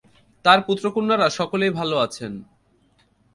তাঁর পুত্রকন্যারা সকলেই ভালো আছেন?